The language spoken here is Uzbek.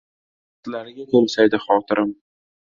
Baxtlarga to‘lsaydi xotirim.